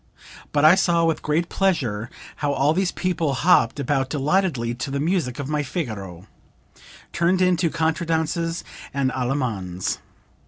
But I saw with great pleasure how all these people hopped about delightedly to the music of my 'Figaro' turned into contradances and Allemands.